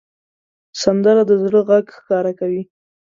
سندره د زړه غږ ښکاره کوي